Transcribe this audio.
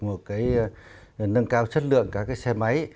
một cái nâng cao chất lượng các cái xe máy